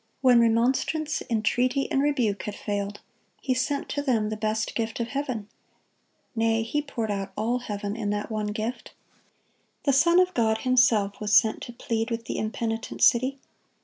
(12) When remonstrance, entreaty, and rebuke had failed, He sent to them the best gift of heaven; nay, He poured out all heaven in that one Gift. The Son of God Himself was sent to plead with the impenitent city.